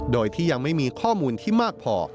โดยที่ยังไม่มีข้อมูลที่มากพอ